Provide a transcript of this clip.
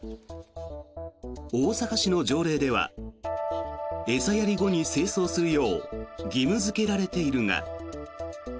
大阪市の条例では餌やり後に清掃するよう義務付けられているが。